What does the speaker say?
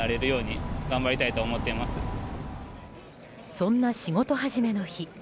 そんな仕事始めの日。